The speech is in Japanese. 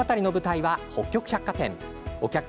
物語の舞台は北極百貨店。